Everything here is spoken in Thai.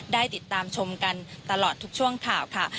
ได้ติดตามชมกันตลอดทุกช่วงข่าวค่ะ